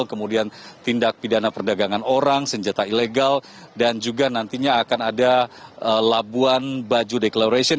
kemudian tindak pidana perdagangan orang senjata ilegal dan juga nantinya akan ada labuan baju declaration